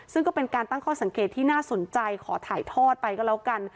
ซึ่งก็เป็นการตั้งข้อสังเกตที่น่าสนใจขอถ่ายทอดไปก็แล้วกัน